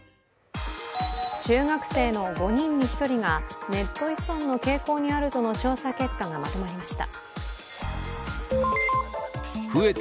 中学生の５人に１人がネット依存の傾向にあるとの調査結果がまとまりました。